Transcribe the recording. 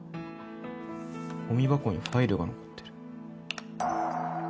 ゴミ箱にファイルが残ってる。